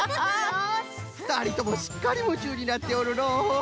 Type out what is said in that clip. ふたりともすっかりむちゅうになっておるのう！